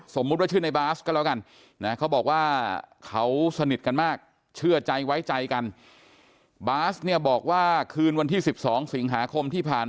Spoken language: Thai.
สมมติว่าชื่อในบาร์สก็แล้วกัน